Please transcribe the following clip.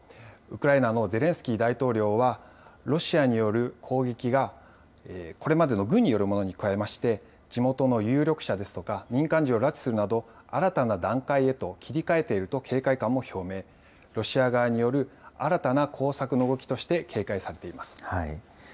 ウクライナのゼレンスキー大統領は、ロシアによる攻撃がこれまでの軍によるものに加えまして、地元の有力者ですとか、民間人を拉致するなど、新たな段階へと切り替えていると、警戒感を表明、ロシア側による新たな工作の動きとして警戒されています。